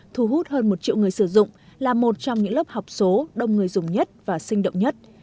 thu hút hơn một triệu người sử dụng là một trong những lớp học số đông người dùng nhất và sinh động nhất